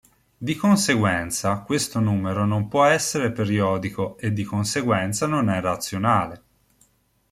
Di conseguenza, questo numero non può essere periodico, e di conseguenza non è razionale.